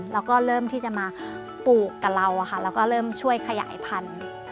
เราก็เริ่มที่จะมาปลูกกับเราแล้วก็เริ่มช่วยขยายพันธุ์